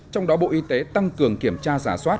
trong đó bộ y tế tăng cường kiểm tra giả soát